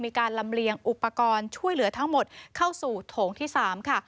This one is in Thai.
มีการลำเลียงอุปกรณ์ช่วยเหลือทั้งหมดเข้าสู่โถงที่๓ค่ะ